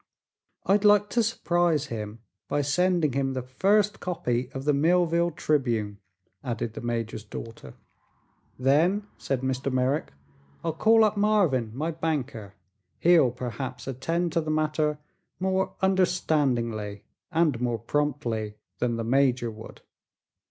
"I'd like to surprise him by sending him the first copy of the Millville Tribune," added the major's daughter. "Then," said Mr. Merrick, "I'll call up Marvin, my banker. He'll perhaps attend to the matter more understandingly and more promptly than the major would.